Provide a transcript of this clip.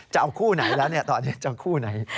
จะเอาคู่ไหนแล้วเนี่ยตอนนี้จะเอาคู่ไหน